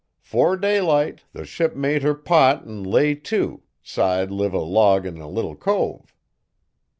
'Fore daylight the ship made her pott 'n' lay to, 'side liv a log in a little cove.